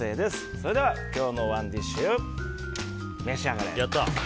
それでは今日のＯｎｅＤｉｓｈ召し上がれ！